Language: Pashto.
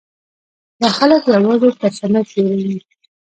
دا خلک یوازې تشنج جوړوي.